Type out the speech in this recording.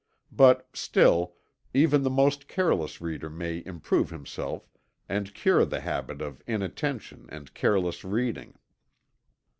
But, still, even the most careless reader may improve himself and cure the habit of inattention and careless reading.